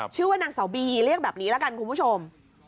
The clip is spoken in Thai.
ชื่อว่านางสาวบีเรียกแบบนี้ละกันคุณผู้ชม